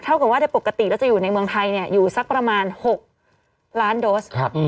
กับว่าโดยปกติเราจะอยู่ในเมืองไทยอยู่สักประมาณ๖ล้านโดส